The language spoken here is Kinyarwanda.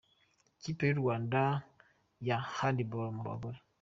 Ikipe y’u Rwanda ya Handball mu bagore.